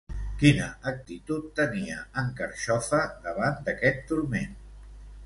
Quina actitud tenia, en Carxofa, davant d'aquest turment?